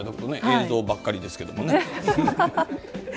映像ばっかりですけどもね。